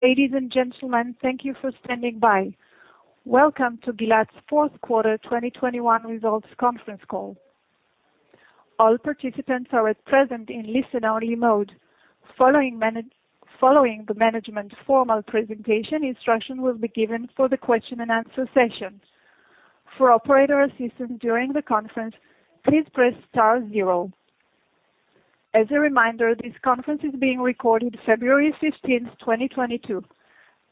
Ladies and gentlemen, thank you for standing by. Welcome to Gilat's Fourth Quarter 2021 results conference call. All participants are at present in listen-only mode. Following the management formal presentation, instruction will be given for the question and answer session. For operator assistance during the conference, please press star zero. As a reminder, this conference is being recorded. February 15th, 2022.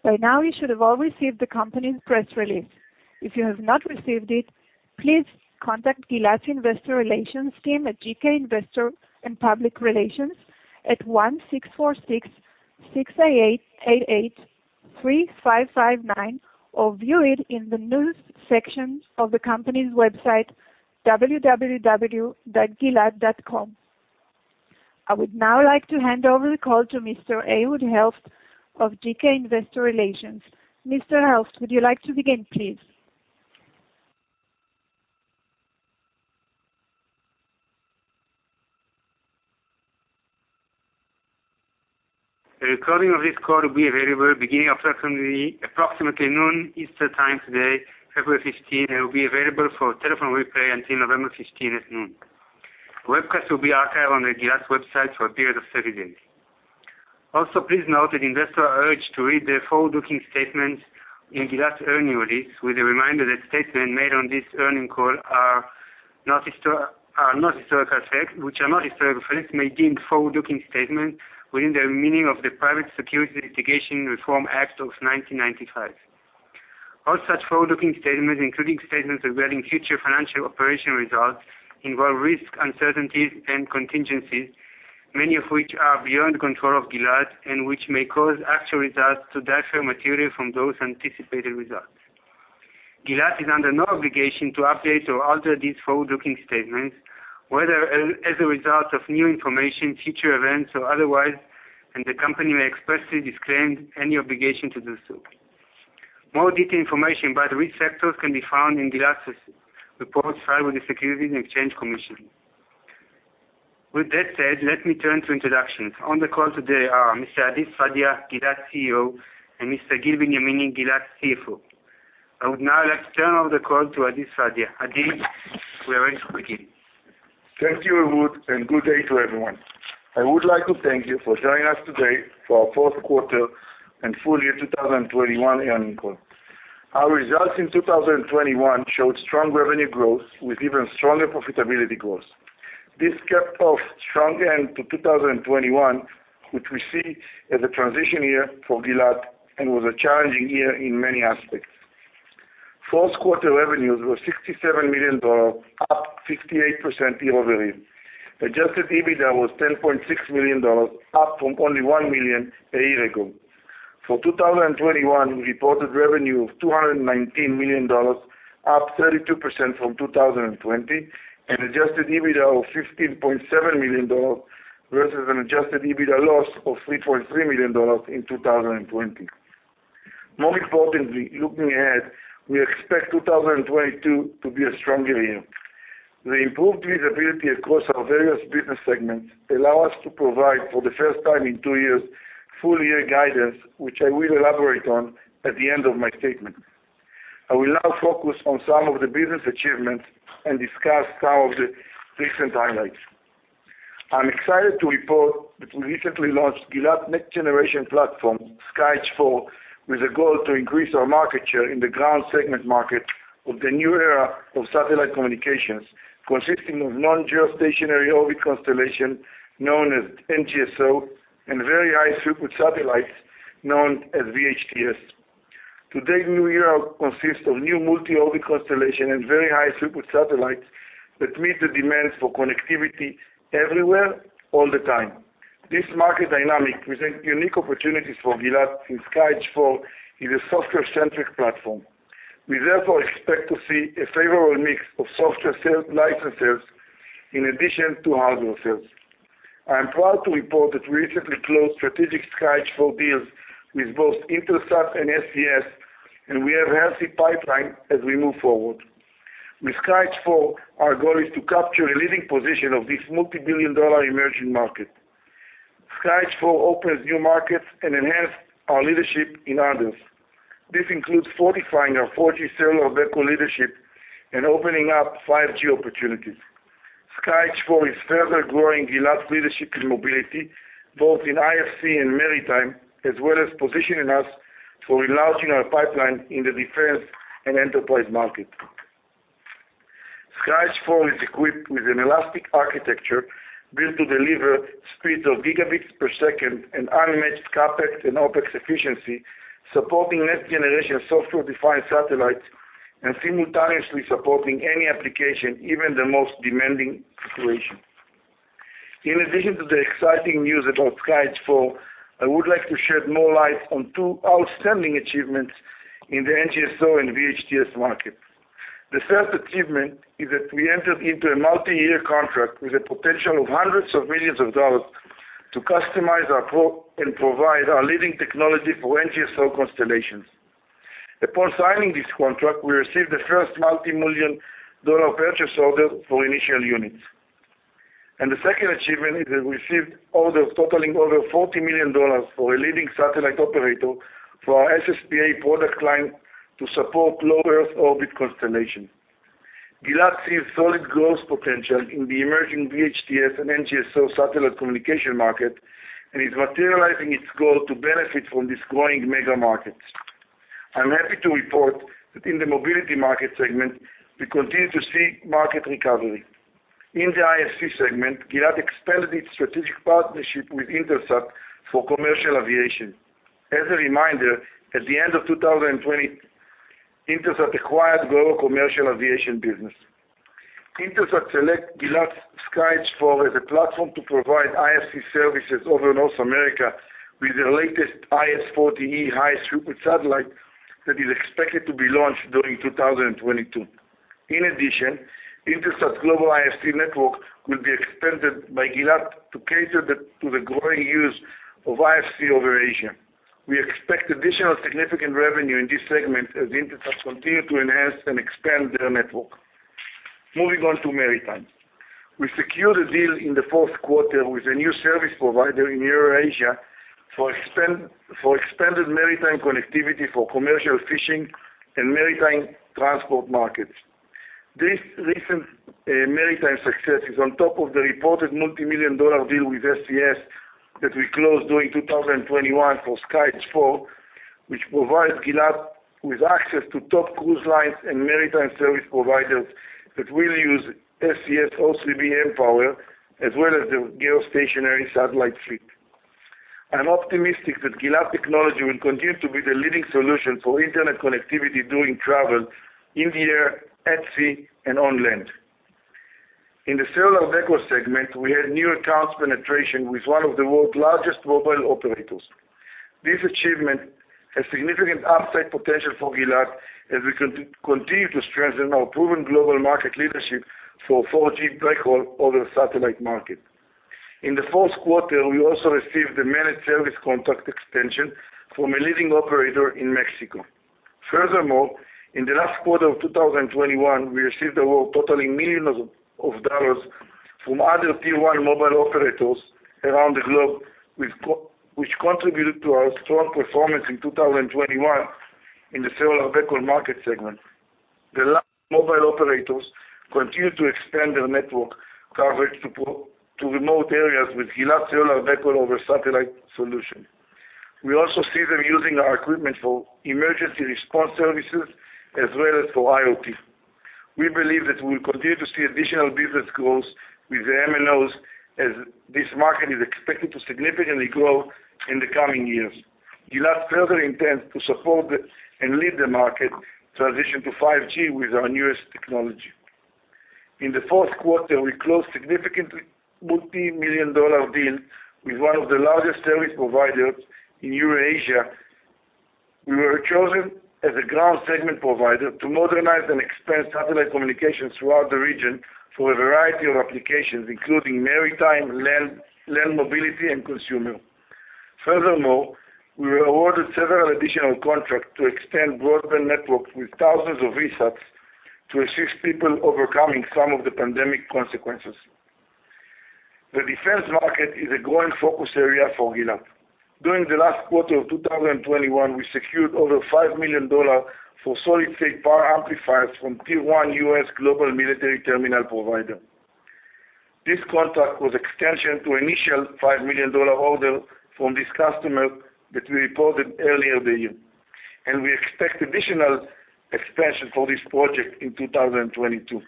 By now, you should have all received the company's press release. If you have not received it, please contact Gilat's investor relations team at GK Investor & Public Relations at 1-646-688-8359 or view it in the News section of the company's website, www.gilat.com. I would now like to hand over the call to Mr. Ehud Helft of GK Investor Relations. Mr. Helft, would you like to begin, please? A recording of this call will be available beginning approximately noon Eastern Time today, February 15th, and will be available for telephone replay until November 15th at noon. Webcast will be archived on the Gilat website for a period of 30 days. Also, please note that investors are urged to read the forward-looking statements in Gilat's earnings release with a reminder that statements made on this earnings call are not historical facts, which may be forward-looking statements within the meaning of the Private Securities Litigation Reform Act of 1995. All such forward-looking statements, including statements regarding future financial operational results, involve risks, uncertainties and contingencies, many of which are beyond control of Gilat and which may cause actual results to differ materially from those anticipated results. Gilat is under no obligation to update or alter these forward-looking statements, whether as a result of new information, future events or otherwise, and the company expressly disclaims any obligation to do so. More detailed information about risk factors can be found in Gilat's reports filed with the Securities and Exchange Commission. With that said, let me turn to introductions. On the call today are Mr. Adi Sfadia, Gilat CEO, and Mr. Gil Benyamini, Gilat CFO. I would now like to turn over the call to Adi Sfadia. Adi, we are ready to begin. Thank you, Ehud, and good day to everyone. I would like to thank you for joining us today for our fourth quarter and full year 2021 earnings call. Our results in 2021 showed strong revenue growth with even stronger profitability growth. This capped off strong end to 2021, which we see as a transition year for Gilat and was a challenging year in many aspects. Fourth quarter revenues were $67 million, up 68% year-over-year. Adjusted EBITDA was $10.6 million, up from only $1 million a year ago. For 2021, we reported revenue of $219 million, up 32% from 2020, and adjusted EBITDA of $15.7 million versus an adjusted EBITDA loss of $3.3 million in 2020. More importantly, looking ahead, we expect 2022 to be a stronger year. The improved visibility across our various business segments allow us to provide for the first time in two years full year guidance, which I will elaborate on at the end of my statement. I will now focus on some of the business achievements and discuss some of the recent highlights. I'm excited to report that we recently launched Gilat next generation platform, SkyEdge IV, with a goal to increase our market share in the ground segment market of the new era of satellite communications, consisting of non-geostationary orbit constellation known as NGSO and very high throughput satellites known as VHTS. Today's new era consists of new multi-orbit constellation and very high throughput satellites that meet the demands for connectivity everywhere all the time. This market dynamic presents unique opportunities for Gilat since SkyEdge IV is a software-centric platform. We therefore expect to see a favorable mix of software licenses in addition to hardware sales. I am proud to report that we recently closed strategic SkyEdge IV deals with both Intelsat and SES, and we have a healthy pipeline as we move forward. With SkyEdge IV, our goal is to capture a leading position of this multi-billion dollar emerging market. SkyEdge IV opens new markets and enhance our leadership in others. This includes fortifying our 4G cellular backhaul leadership and opening up 5G opportunities. SkyEdge IV is further growing Gilat's leadership in mobility, both in IFC and maritime, as well as positioning us for enlarging our pipeline in the defense and enterprise market. SkyEdge IV is equipped with an elastic architecture built to deliver speeds of gigabits per second and unmatched CapEx and OpEx efficiency, supporting next generation software-defined satellites and simultaneously supporting any application, even the most demanding situation. In addition to the exciting news about SkyEdge IV, I would like to shed more light on two outstanding achievements in the NGSO and VHTS market. The first achievement is that we entered into a multi-year contract with a potential of $ hundreds of millions to customize and provide our leading technology for NGSO constellations. Upon signing this contract, we received the first $multi-million purchase order for initial units. The second achievement is we received orders totaling over $40 million for a leading satellite operator for our SSPA product line to support low Earth orbit constellation. Gilat sees solid growth potential in the emerging VHTS and NGSO satellite communication market and is materializing its goal to benefit from these growing mega markets. I'm happy to report that in the mobility market segment, we continue to see market recovery. In the IFC segment, Gilat expanded its strategic partnership with Intelsat for commercial aviation. As a reminder, at the end of 2020, Intelsat acquired global commercial aviation business. Intelsat selected Gilat SkyEdge for the platform to provide IFC services over North America with the latest IS-40e super satellite that is expected to be launched during 2022. In addition, Intelsat global IFC network will be expanded by Gilat to the growing use of IFC over Asia. We expect additional significant revenue in this segment as Intelsat continue to enhance and expand their network. Moving on to maritime. We secured a deal in the fourth quarter with a new service provider in Eurasia for expanded maritime connectivity for commercial fishing and maritime transport markets. This recent maritime success is on top of the reported multimillion-dollar deal with SES that we closed during 2021 for SkyEdge IV, which provides Gilat with access to top cruise lines and maritime service providers that will use SES O3b mPOWER, as well as the geostationary satellite fleet. I'm optimistic that Gilat technology will continue to be the leading solution for Internet connectivity during travel in the air, at sea, and on land. In the cellular backhaul segment, we had new accounts penetration with one of the world's largest mobile operators. This achievement has significant upside potential for Gilat as we continue to strengthen our proven global market leadership for 4G backhaul over satellite market. In the fourth quarter, we also received the managed service contract extension from a leading operator in Mexico. Furthermore, in the last quarter of 2021, we received orders totaling millions of dollars from other Tier 1 mobile operators around the globe, which contributed to our strong performance in 2021 in the cellular backhaul market segment. The mobile operators continue to expand their network coverage to remote areas with Gilat cellular backhaul over satellite solution. We also see them using our equipment for emergency response services as well as for IoT. We believe that we'll continue to see additional business growth with the MNOs as this market is expected to significantly grow in the coming years. Gilat further intends to support and lead the market transition to 5G with our newest technology. In the fourth quarter, we closed a significant multi-million-dollar deal with one of the largest service providers in Eurasia. We were chosen as a ground segment provider to modernize and expand satellite communications throughout the region for a variety of applications, including maritime, land mobility, and consumer. Furthermore, we were awarded several additional contracts to expand broadband networks with thousands of VSATs to assist people overcoming some of the pandemic consequences. The defense market is a growing focus area for Gilat. During the last quarter of 2021, we secured over $5 million for solid-state power amplifiers from a Tier 1 U.S. global military terminal provider. This contract was an extension to the initial $5 million order from this customer that we reported earlier in the year, and we expect additional expansion for this project in 2022.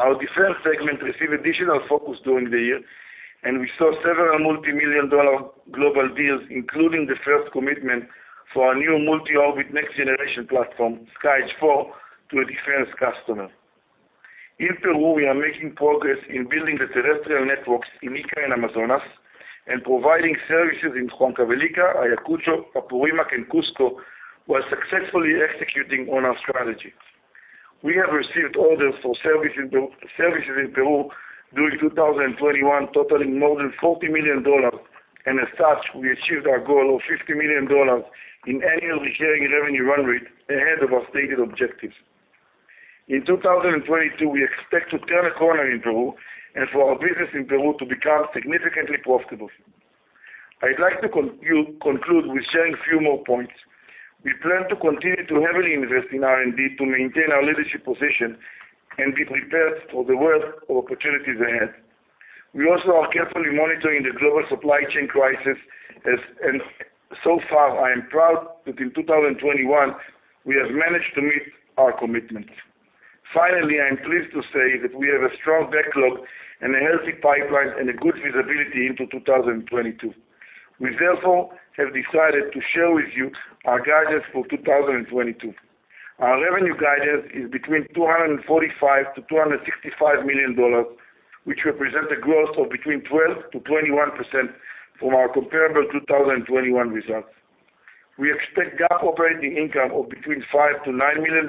Our defense segment received additional focus during the year, and we saw several multimillion-dollar global deals, including the first commitment for our new multi-orbit next-generation platform, SkyEdge IV, to a defense customer. In Peru, we are making progress in building the terrestrial networks in Ica and Amazonas and providing services in Huancavelica, Ayacucho, Apurimac, and Cusco, while successfully executing on our strategy. We have received orders for services in Peru during 2021, totaling more than $40 million. As such, we achieved our goal of $50 million in annually sharing revenue run rate ahead of our stated objectives. In 2022, we expect to turn a corner in Peru and for our business in Peru to become significantly profitable. I'd like to conclude with sharing a few more points. We plan to continue to heavily invest in R&D to maintain our leadership position and be prepared for the world of opportunities ahead. We also are carefully monitoring the global supply chain crisis, and so far, I am proud that in 2021, we have managed to meet our commitments. Finally, I am pleased to say that we have a strong backlog and a healthy pipeline and a good visibility into 2022. We therefore have decided to share with you our guidance for 2022. Our revenue guidance is between $245 million-$265 million, which represent a growth of between 12%-21% from our comparable 2021 results. We expect GAAP operating income of between $5 million-$9 million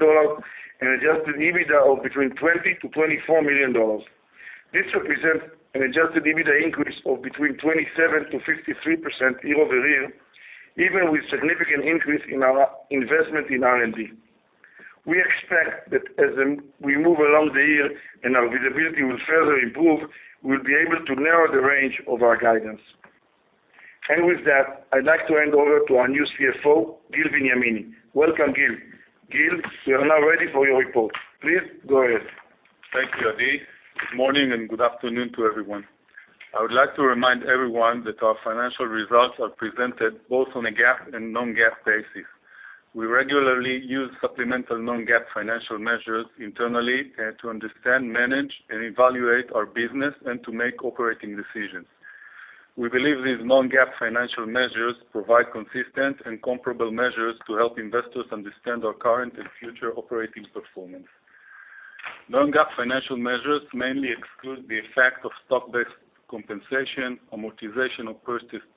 and adjusted EBITDA of between $20 million-$24 million. This represents an adjusted EBITDA increase of between 27%-53% year over year, even with significant increase in our investment in R&D. We expect that as we move along the year and our visibility will further improve, we'll be able to narrow the range of our guidance. With that, I'd like to hand over to our new CFO, Gil Benyamini. Welcome, Gil. Gil, we are now ready for your report. Please go ahead. Thank you, Adi. Good morning and good afternoon to everyone. I would like to remind everyone that our financial results are presented both on a GAAP and non-GAAP basis. We regularly use supplemental non-GAAP financial measures internally to understand, manage, and evaluate our business and to make operating decisions. We believe these non-GAAP financial measures provide consistent and comparable measures to help investors understand our current and future operating performance. Non-GAAP financial measures mainly exclude the effect of stock-based compensation, amortization of purchased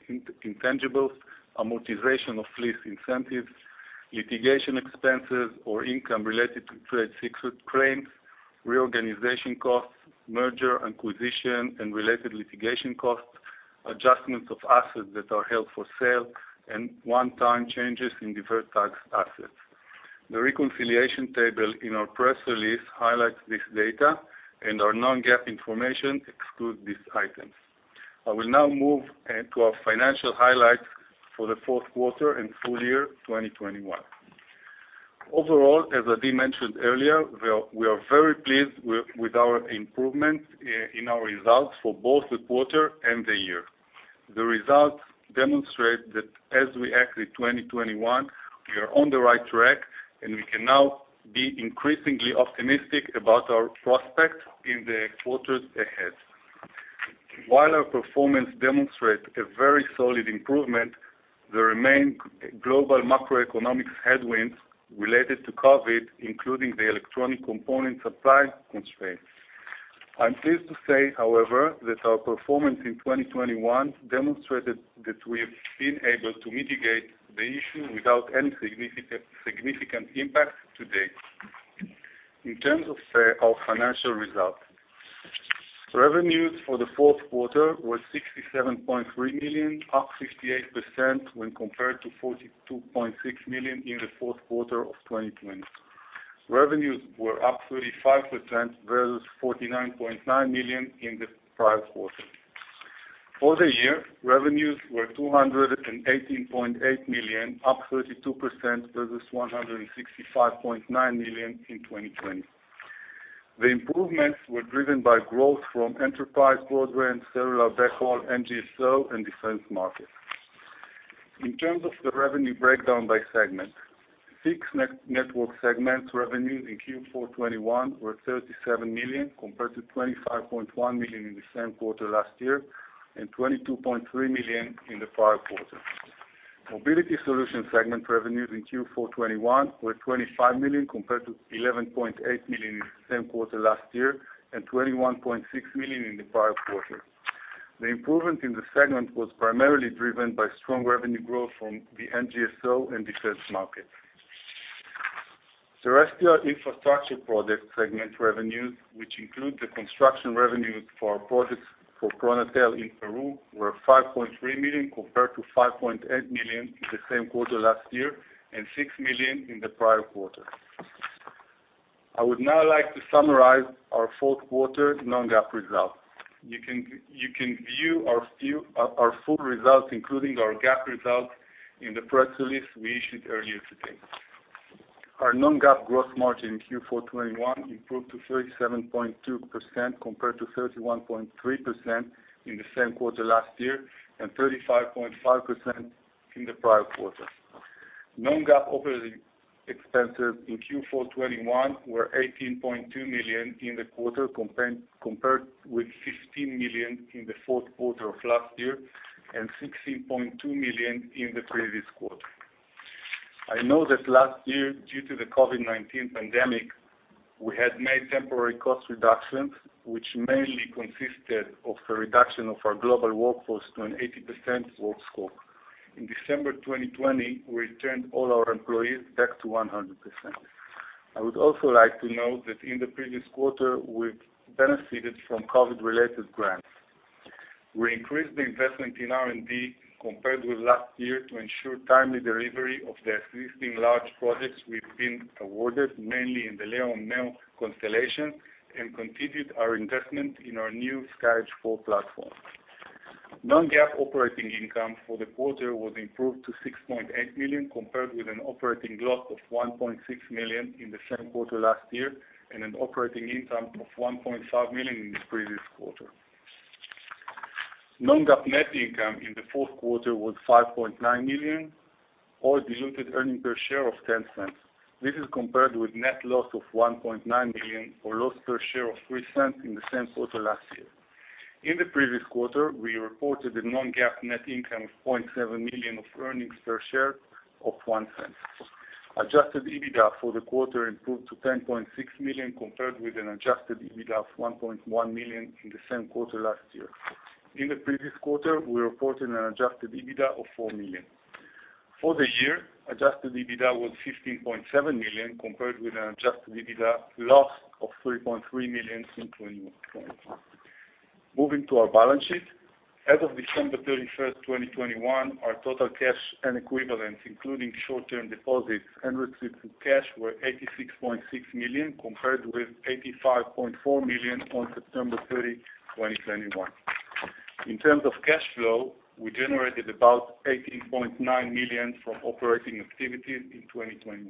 intangibles, amortization of lease incentives, litigation expenses or income related to trade secrets claims, reorganization costs, merger, acquisition, and related litigation costs, adjustments of assets that are held for sale, and one-time changes in deferred tax assets. The reconciliation table in our press release highlights this data, and our non-GAAP information excludes these items. I will now move to our financial highlights for the fourth quarter and full year 2021. Overall, as Adi mentioned earlier, we are very pleased with our improvement in our results for both the quarter and the year. The results demonstrate that as we exit 2021, we are on the right track, and we can now be increasingly optimistic about our prospects in the quarters ahead. While our performance demonstrate a very solid improvement, there remain global macroeconomic headwinds related to COVID, including the electronic component supply constraints. I'm pleased to say, however, that our performance in 2021 demonstrated that we have been able to mitigate the issue without any significant impact to date. In terms of our financial results, revenues for the fourth quarter were $67.3 million, up 68% when compared to $42.6 million in the fourth quarter of 2020. Revenues were up 35% versus $49.9 million in the prior quarter. For the year, revenues were $218.8 million, up 32% versus $165.9 million in 2020. The improvements were driven by growth from enterprise programs, cellular backhaul, NGSO, and defense markets. In terms of the revenue breakdown by segment, Fixed Network segment revenues in Q4 2021 were $37 million compared to $25.1 million in the same quarter last year, and $22.3 million in the prior quarter. Mobility Solution segment revenues in Q4 2021 were $25 million compared to $11.8 million in the same quarter last year, and $21.6 million in the prior quarter. The improvement in the segment was primarily driven by strong revenue growth from the NGSO and defense markets. Terrestrial Infrastructure Project segment revenues, which include the construction revenues for our projects for Pronatel in Peru, were $5.3 million compared to $5.8 million in the same quarter last year, and $6 million in the prior quarter. I would now like to summarize our fourth quarter non-GAAP results. You can view our full results, including our GAAP results in the press release we issued earlier today. Our non-GAAP gross margin in Q4 2021 improved to 37.2% compared to 31.3% in the same quarter last year, and 35.5% in the prior quarter. Non-GAAP operating expenses in Q4 2021 were $18.2 million in the quarter, compared with $15 million in the fourth quarter of last year, and $16.2 million in the previous quarter. I know that last year, due to the COVID-19 pandemic, we had made temporary cost reductions, which mainly consisted of a reduction of our global workforce to an 80% work scope. In December 2020, we returned all our employees back to 100%. I would also like to note that in the previous quarter, we've benefited from COVID-related grants. We increased the investment in R&D compared with last year to ensure timely delivery of the existing large projects we've been awarded, mainly in the LEO/MEO constellation, and continued our investment in our new SkyEdge IV platform. Non-GAAP operating income for the quarter was improved to $6.8 million, compared with an operating loss of $1.6 million in the same quarter last year, and an operating income of $1.5 million in the previous quarter. Non-GAAP net income in the fourth quarter was $5.9 million, or diluted earnings per share of $0.10. This is compared with net loss of $1.9 million, or loss per share of $0.03 in the same quarter last year. In the previous quarter, we reported a non-GAAP net income of $0.7 million, or earnings per share of $0.01. Adjusted EBITDA for the quarter improved to $10.6 million compared with an adjusted EBITDA of $1.1 million in the same quarter last year. In the previous quarter, we reported an adjusted EBITDA of $4 million. For the year, adjusted EBITDA was $15.7 million, compared with an adjusted EBITDA loss of $3.3 million in 2020. Moving to our balance sheet. As of December 31, 2021, our total cash and equivalents, including short-term deposits and restricted cash, were $86.6 million compared with $85.4 million on September 30, 2021. In terms of cash flow, we generated about $18.9 million from operating activities in 2021.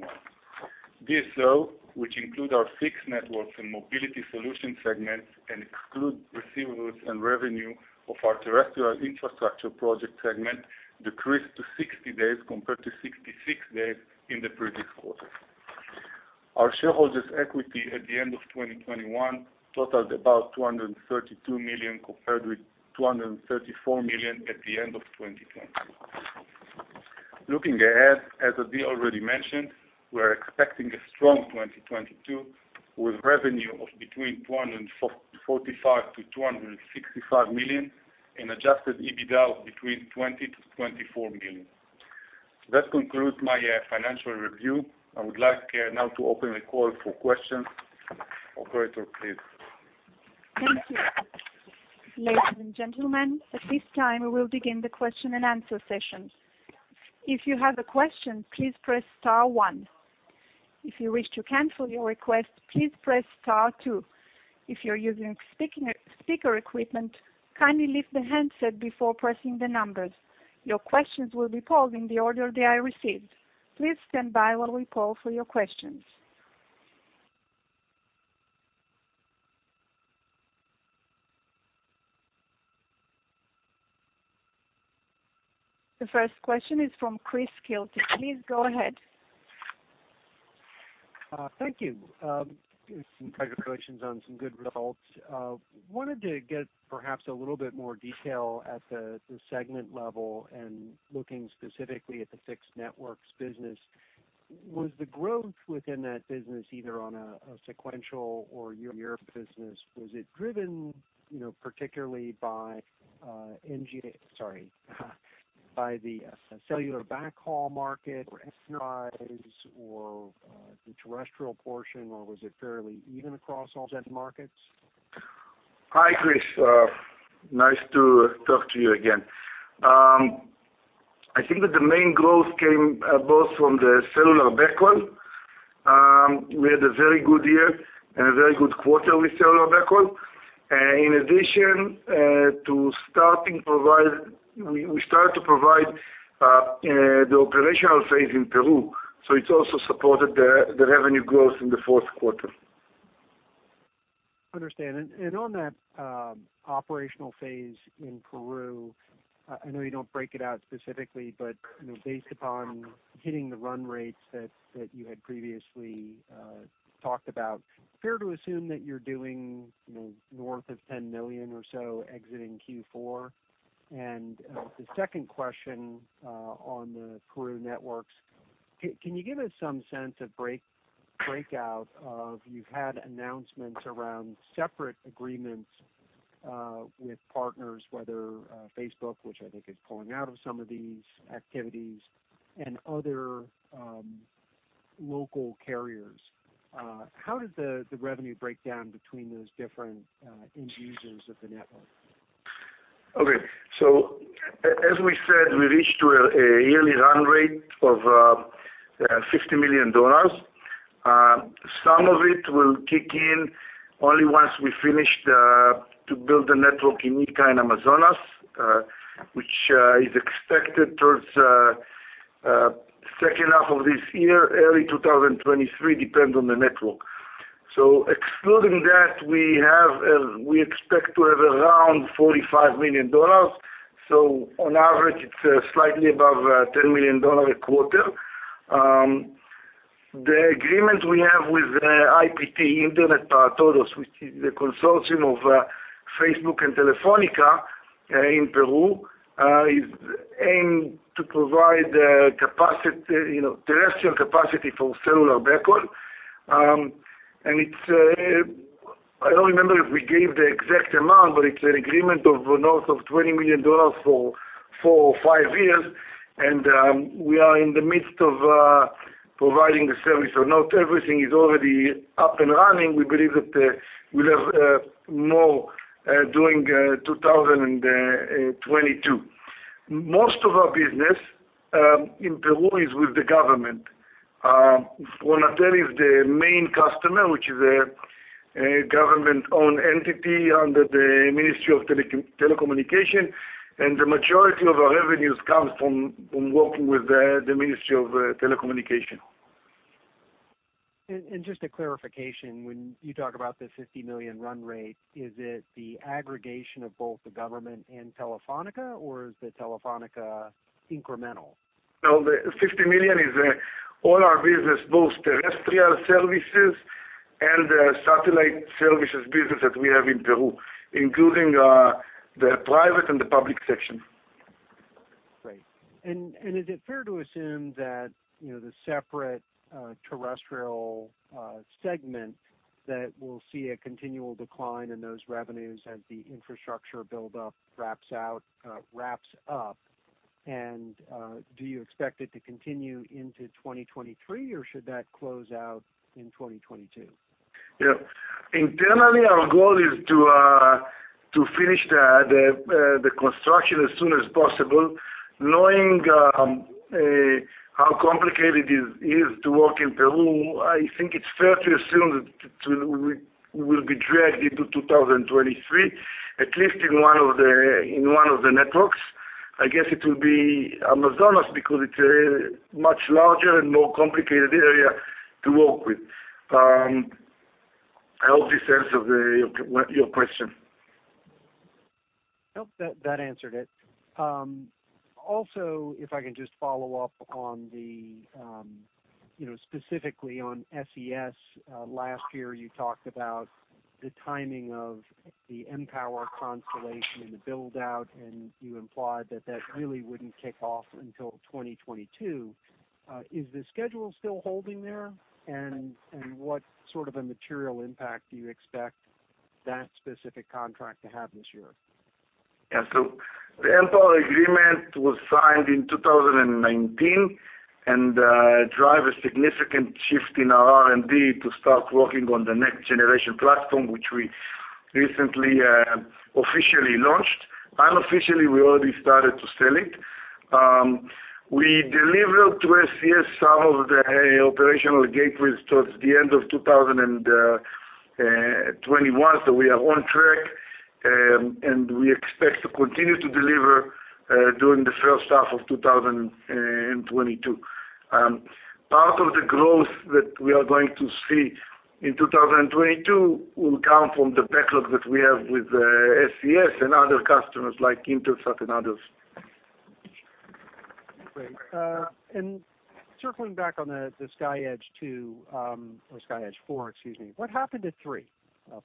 DSO, which include our fixed networks and mobility solution segments and exclude receivables and revenue of our terrestrial infrastructure project segment, decreased to 60 days compared to 66 days in the previous quarter. Our shareholders' equity at the end of 2021 totaled about $232 million, compared with $234 million at the end of 2020. Looking ahead, as Adi already mentioned, we're expecting a strong 2022, with revenue of between $245 million-$265 million and adjusted EBITDA of between $20 million-$24 million. That concludes my financial review. I would like now to open the call for questions. Operator, please. Thank you. Ladies and gentlemen, at this time, we will begin the question and answer session. If you have a question, please press star one. If you wish to cancel your request, please press star two. If you're using speaker equipment, kindly lift the handset before pressing the numbers. Your questions will be called in the order they are received. Please stand by while we call for your questions. The first question is from Chris Quilty. Please go ahead. Thank you. Some congratulations on some good results. Wanted to get perhaps a little bit more detail at the segment level and looking specifically at the fixed networks business. Was the growth within that business, either on a sequential or year-on-year basis, was it driven, you know, particularly by the cellular backhaul market or enterprise or the terrestrial portion, or was it fairly even across all end markets? Hi, Chris. Nice to talk to you again. I think that the main growth came both from the cellular backhaul. We had a very good year and a very good quarter with cellular backhaul. In addition, we started to provide the operational phase in Peru, so it also supported the revenue growth in the fourth quarter. understand. On that operational phase in Peru, I know you don't break it out specifically, but you know, based upon hitting the run rates that you had previously talked about, fair to assume that you're doing you know, north of $10 million or so exiting Q4? The second question on the Peru networks. Can you give us some sense of breakout of, you've had announcements around separate agreements with partners, whether Facebook, which I think is pulling out of some of these activities and other local carriers. How did the revenue break down between those different end users of the network? Okay. As we said, we reached a yearly run rate of $50 million. Some of it will kick in only once we finish to build the network in Ica and Amazonas, which is expected towards second half of this year, early 2023, depends on the network. Excluding that, we expect to have around $45 million. On average, it's slightly above $10 million a quarter. The agreement we have with IPT, Internet para Todos, which is the consortium of Facebook and Telefónica in Peru, is aimed to provide capacity, you know, terrestrial capacity for cellular backhaul. It's I don't remember if we gave the exact amount, but it's an agreement of north of $20 million for four or five years. We are in the midst of providing the service. Not everything is already up and running. We believe that we'll have more during 2022. Most of our business in Peru is with the government. Pronatel is the main customer, which is a government-owned entity under the Ministry of Telecommunications, and the majority of our revenues comes from working with the Ministry of Telecommunications. Just a clarification, when you talk about the $50 million run rate, is it the aggregation of both the government and Telefónica, or is the Telefónica incremental? No, the $50 million is all our business, both terrestrial services and the satellite services business that we have in Peru, including the private and the public sector. Great. Is it fair to assume that, you know, the separate terrestrial segment, that we'll see a continual decline in those revenues as the infrastructure build-up wraps up? Do you expect it to continue into 2023, or should that close out in 2022? Yeah. Internally, our goal is to finish the construction as soon as possible, knowing how complicated it is to work in Peru. I think it's fair to assume that we will be dragged into 2023, at least in one of the networks. I guess it will be Amazonas because it's a much larger and more complicated area to work with. I hope this answers your question. Nope, that answered it. Also, if I can just follow up on the you know, specifically on SES. Last year, you talked about the timing of the mPOWER constellation and the build-out, and you implied that really wouldn't kick off until 2022. Is the schedule still holding there, and what sort of a material impact do you expect that specific contract to have this year? Yeah. The mPOWER agreement was signed in 2019, and drove a significant shift in our R&D to start working on the next generation platform, which we recently officially launched. Unofficially, we already started to sell it. We delivered to SES some of the operational gateways towards the end of 2021, so we are on track, and we expect to continue to deliver during the first half of 2022. Part of the growth that we are going to see in 2022 will come from the backlog that we have with SES and other customers like Intelsat and others. Great. Circling back on the SkyEdge II, or SkyEdge IV, excuse me, what happened to three?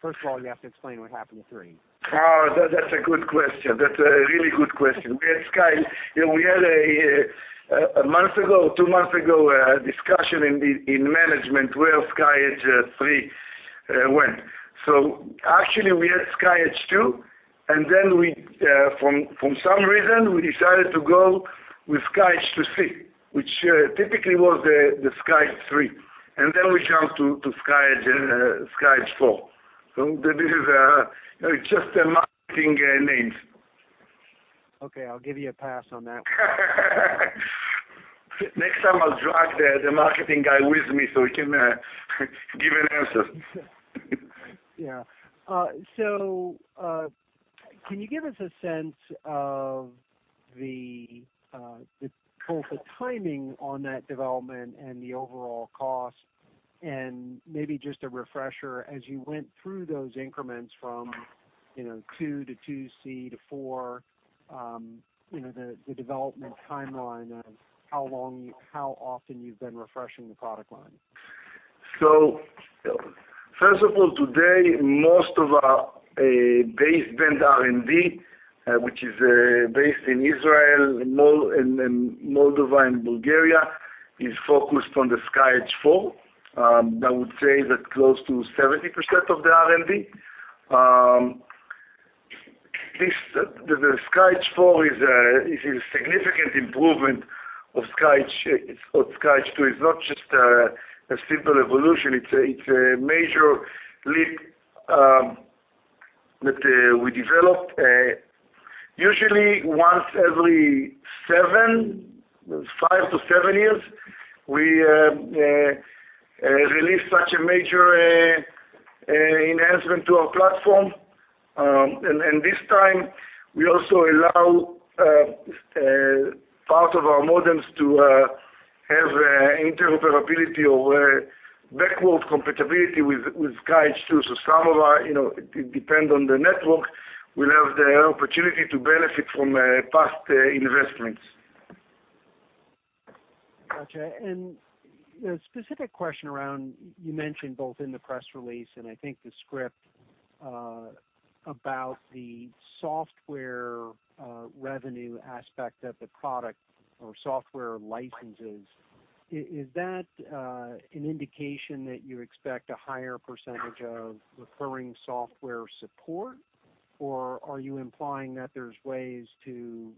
First of all, you have to explain what happened to three. Oh, that's a good question. That's a really good question. You know, we had a month ago, two months ago, a discussion in management where SkyEdge three went. Actually, we had SkyEdge II, and then for some reason, we decided to go with SkyEdge II-C, which typically was the SkyEdge three, and then we jumped to SkyEdge IV. This is just a marketing names. Okay. I'll give you a pass on that one. Next time I'll drag the marketing guy with me so he can give an answer. Can you give us a sense of both the timing on that development and the overall cost, and maybe just a refresher, as you went through those increments from, you know, two to two C to four, you know, the development timeline of how long you, how often you've been refreshing the product line? First of all, today, most of our baseband R&D, which is based in Israel, in Moldova and Bulgaria, is focused on the SkyEdge IV. I would say that close to 70% of the R&D. The SkyEdge IV is a significant improvement of SkyEdge II. It's not just a simple evolution. It's a major leap that we developed. Usually once every five to seven years, we release such a major enhancement to our platform. This time, we also allow part of our modems to have interoperability or backward compatibility with SkyEdge II. Some of our, you know, depending on the network, will have the opportunity to benefit from past investments. Gotcha. A specific question around, you mentioned both in the press release and I think the script, about the software, revenue aspect of the product or software licenses. Is that an indication that you expect a higher percentage of recurring software support, or are you implying that there's ways to,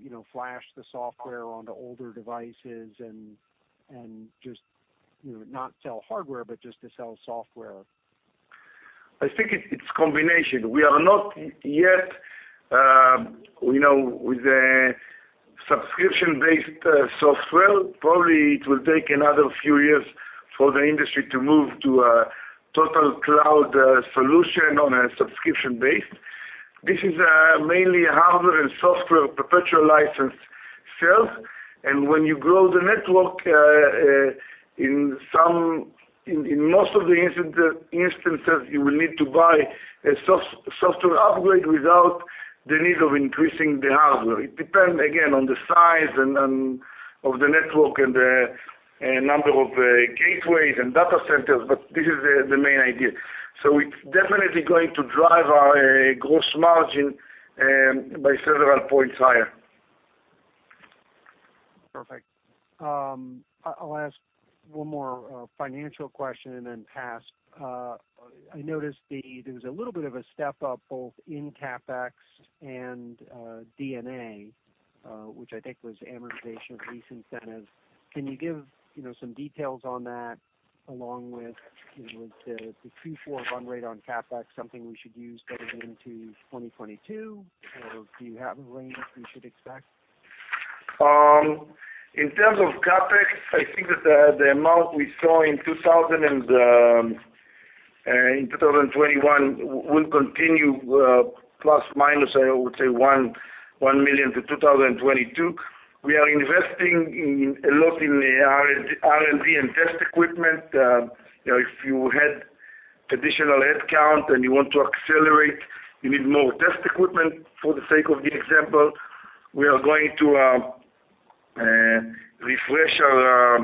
you know, flash the software onto older devices and just, you know, not sell hardware, but just to sell software? I think it's a combination. We are not yet, you know, with a subscription-based software. Probably it will take another few years for the industry to move to a total cloud solution on a subscription base. This is mainly hardware and software perpetual license sales, and when you grow the network in most of the instances, you will need to buy a software upgrade without the need of increasing the hardware. It depends again on the size of the network and the number of gateways and data centers, but this is the main idea. It's definitely going to drive our gross margin by several points higher. Perfect. I'll ask one more financial question and then pass. I noticed there was a little bit of a step up, both in CapEx and D&A, which I think was amortization of lease incentives. Can you give, you know, some details on that along with, you know, is the three to four run rate on CapEx something we should use going into 2022 or do you have a range we should expect? In terms of CapEx, I think that the amount we saw in 2021 will continue, plus minus, I would say $1 million to 2022. We are investing a lot in R&D and test equipment. You know, if you had traditional headcount and you want to accelerate, you need more test equipment for the sake of the example. We are going to refresh our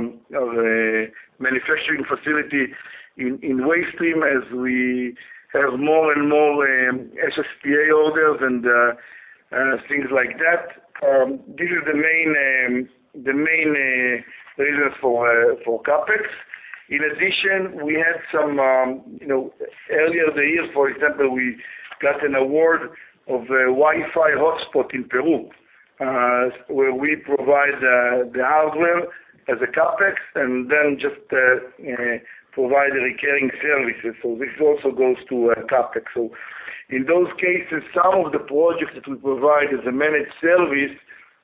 manufacturing facility in Wavestream as we have more and more SSPA orders and things like that. These are the main reasons for CapEx. In addition, we had some, you know, earlier in the year, for example, we got an award of a Wi-Fi hotspot in Peru, where we provide the hardware as a CapEx and then just provide the recurring services. So this also goes to CapEx. So in those cases, some of the projects that we provide as a managed service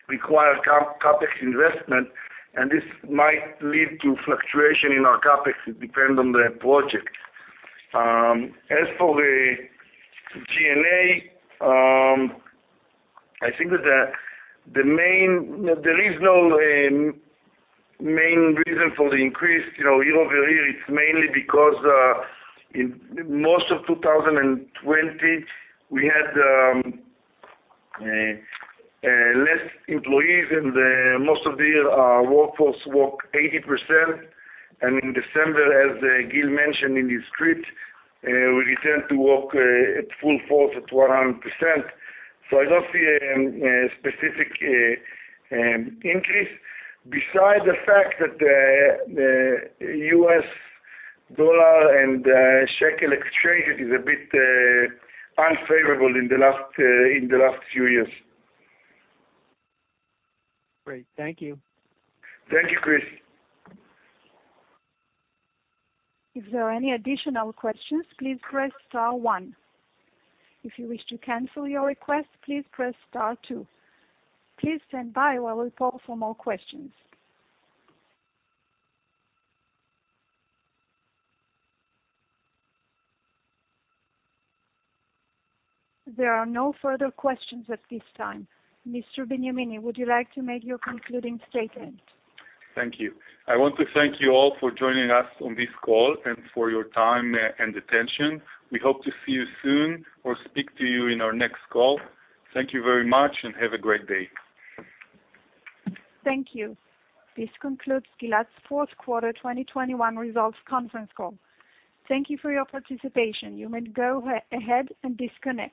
require CapEx investment, and this might lead to fluctuation in our CapEx. It depends on the project. As for the G&A, I think that there is no main reason for the increase. You know, year-over-year, it's mainly because in most of 2020, we had less employees, and most of the workforce worked 80%. In December, as Gil mentioned in his script, we returned to work at full force at 100%. I don't see a specific increase besides the fact that the U.S. dollar and shekel exchange is a bit unfavorable in the last few years. Great. Thank you. Thank you, Chris. If there are any additional questions, please press star one. If you wish to cancel your request, please press star two. Please stand by while we poll for more questions. There are no further questions at this time. Mr. Benyamini, would you like to make your concluding statement? Thank you. I want to thank you all for joining us on this call and for your time and attention. We hope to see you soon or speak to you in our next call. Thank you very much and have a great day. Thank you. This concludes Gilat's fourth quarter 2021 results conference call. Thank you for your participation. You may go ahead and disconnect.